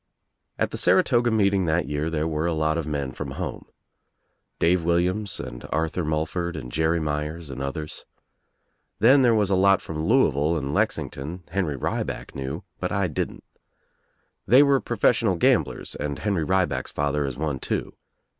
At the Saratoga meeting that year there were a lot of men from home. Dave Williams and Arthur Mul ford and Jerry Myers and others. Then there was a lot from Louisville and Lexington Henry Rieback knew but I didn't. They were professional gamblers and Henry Rieback's father Is one too.